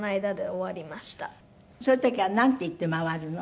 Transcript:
そういう時はなんて言って回るの？